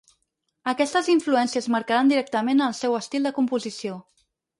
Aquestes influències marcaran directament el seu estil de composició.